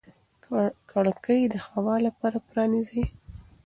کړکۍ د هوا لپاره پرانیزئ.